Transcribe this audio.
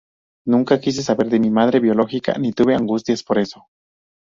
Nunca quise saber de mi madre biológica ni tuve angustias por eso.